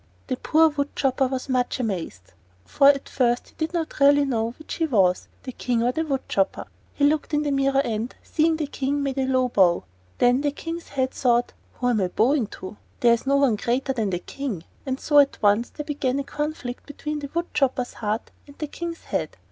The poor wood chopper was much amazed; for at first he did not really know which he was, the King or the wood chopper. He looked in the mirror and, seeing the King, made a low bow. Then the King's head thought: "Who am I bowing to? There is no one greater than the King!" And so at once there began a conflict between the wood chopper's heart and the King's head.